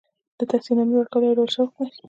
د تحسین نامې ورکول یو ډول تشویق دی.